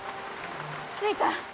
着いた。